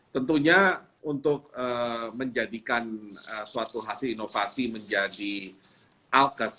tentunya untuk menjadikan suatu hasil inovasi menjadi alkes